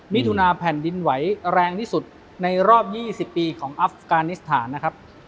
มิถุนาแผ่นดินไหวแรงที่สุดในรอบ๒๐ปีของอัฟกานิสถานนะครับ